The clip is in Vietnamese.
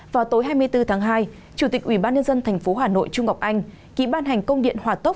vào tối hai mươi bốn tháng hai chủ tịch ubnd tp hà nội trung ngọc anh ký ban hành công điện hòa tốc